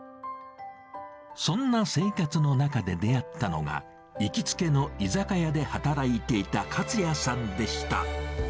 そんな生活の中で出会ったのが、行きつけの居酒屋で働いていた勝也さんでした。